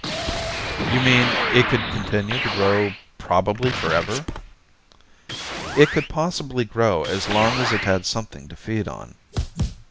"You mean it could continue to grow probably forever?" "It could possibly grow as long as it had something to feed on."